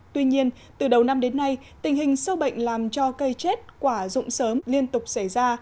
tuy nhiên từ đầu năm đến nay tình hình sâu bệnh làm cho cây chết quả dụng sớm liên tục xảy ra